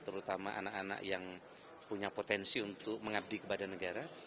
terutama anak anak yang punya potensi untuk mengabdi kepada negara